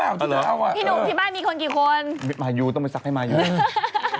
เดี๋ยวเขาจะมาบอกว่าเขาติดหรือไม่ติด